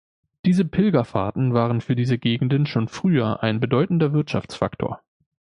Diese Pilgerfahrten waren für diese Gegenden schon früher ein bedeutender Wirtschaftsfaktor.